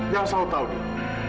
jangan salah tau dil